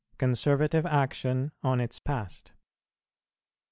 CONSERVATIVE ACTION ON ITS PAST.